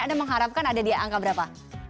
anda mengharapkan ada di angka berapa